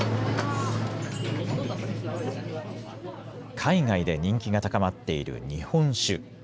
海外で人気が高まっている日本酒。